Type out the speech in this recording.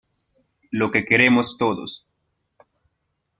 lo que queremos todos: